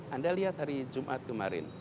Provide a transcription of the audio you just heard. anda lihat hari jumat kemarin